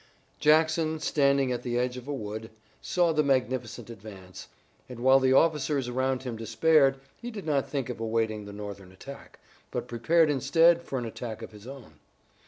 Jackson, standing at the edge of a wood, saw the magnificent advance, and while the officers around him despaired, he did not think of awaiting the Northern attack, but prepared instead for an attack of his own.